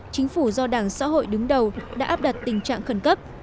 chính phủ do đảng xã hội đứng đầu đã áp đặt tình trạng khẩn cấp